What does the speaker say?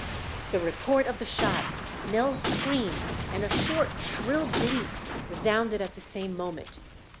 The report of the shot, Nell's scream, and a short, shrill bleat resounded at the same moment.